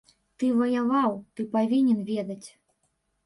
Ты ваяваў, ты павінен ведаць.